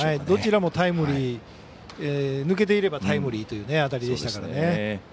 どちらも抜けていればタイムリーという当たりでしたからね。